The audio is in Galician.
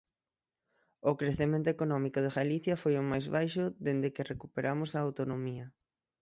O crecemento económico de Galicia foi o máis baixo dende que recuperamos a Autonomía.